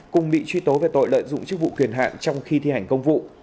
cùng bị truy tố về tội lợi dụng chức vụ quyền hạn trong khi thi hành công vụ